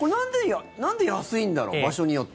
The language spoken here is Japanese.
なんで安いんだろう場所によって。